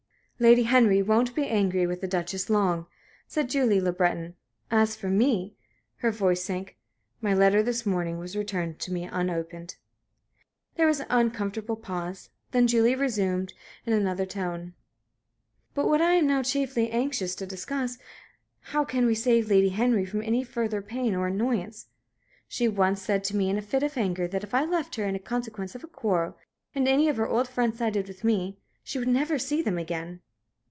"Lady Henry won't be angry with the Duchess long," said Julie Le Breton. "As for me" her voice sank "my letter this morning was returned to me unopened." There was an uncomfortable pause; then Julie resumed, in another tone: "But what I am now chiefly anxious to discuss is, how can we save Lady Henry from any further pain or annoyance? She once said to me in a fit of anger that if I left her in consequence of a quarrel, and any of her old friends sided with me, she would never see them again."